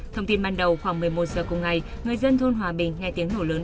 thông tin ban đầu khoảng một mươi một giờ cùng ngày người dân thôn hòa bình nghe tiếng nổ lớn